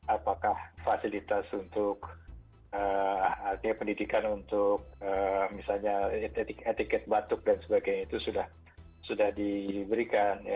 apakah fasilitas untuk artinya pendidikan untuk misalnya etiket batuk dan sebagainya itu sudah diberikan